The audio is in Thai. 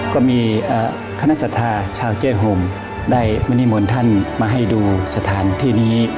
ก็มีคณะสถาชาวเจษฐมได้มณีมนต์ท่านมาให้ดูสถานที่นี้